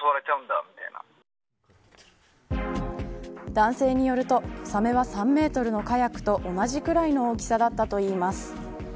男性によるとサメは３メートルのカヤックと同じくらいの大きさだったといいます。